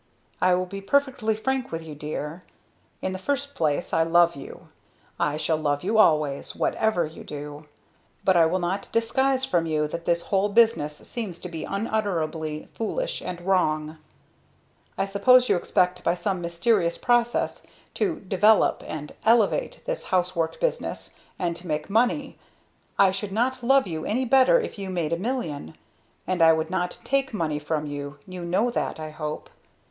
"I will be perfectly frank with you, Dear. "In the first place I love you. I shall love you always, whatever you do. But I will not disguise from you that this whole business seems to me unutterably foolish and wrong. "I suppose you expect by some mysterious process to "develope" and "elevate" this housework business; and to make money. I should not love you any better if you made a million and I would not take money from you you know that, I hope.